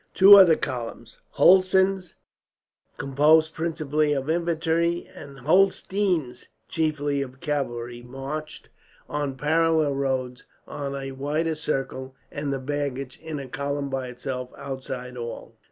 Two other columns Hulsen's, composed principally of infantry; and Holstein's, chiefly of cavalry marched on parallel roads on a wider circle; and the baggage, in a column by itself, outside all.